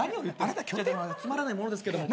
つまらないものですけども。